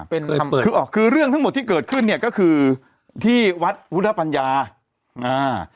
เป็นคำเปิดคือออกคือเรื่องทั้งหมดที่เกิดขึ้นเนี่ยก็คือที่วัดพุทธปัญญาอ่า